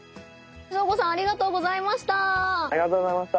そーごさんありがとうございました！